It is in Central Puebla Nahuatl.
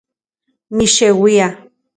Mixeuia